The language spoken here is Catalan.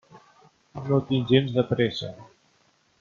No tinc gens de pressa.